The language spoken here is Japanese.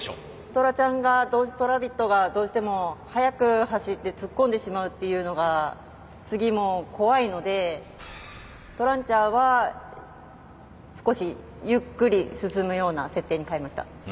トラちゃん側とラビットがどうしても速く走って突っ込んでしまうっていうのが次も怖いのでトランチャーは少しゆっくり進むような設定に変えました。